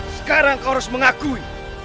sekarang kau harus mengakui